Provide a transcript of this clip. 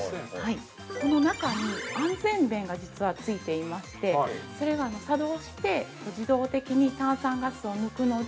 この中に、安全弁が実は付いていましてそれが作動して自動的に炭酸ガスを抜くので